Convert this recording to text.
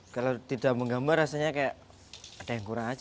kalau tidak menggambar rasanya kayak ada yang kurang aja